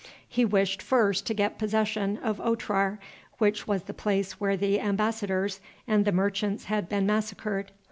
He wished first to get possession of Otrar, which was the place where the embassadors and the merchants had been massacred.